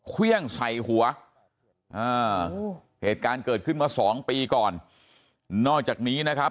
เครื่องใส่หัวอ่าเหตุการณ์เกิดขึ้นมาสองปีก่อนนอกจากนี้นะครับ